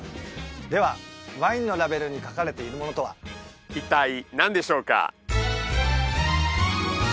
ではワインのラベルに描かれているものとは一体何でしょうか？